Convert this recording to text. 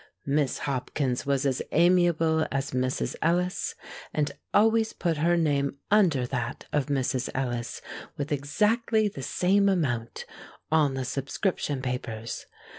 Miss Hopkins was as amiable as Mrs. Ellis, and always put her name under that of Mrs. Ellis, with exactly the same amount, on the subscription papers.